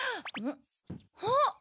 あっ！